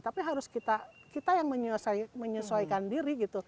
tapi harus kita yang menyesuaikan diri gitu